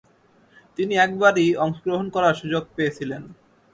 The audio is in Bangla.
তিনি একবারই অংশগ্রহণ করার সুযোগ পেয়েছিলেন।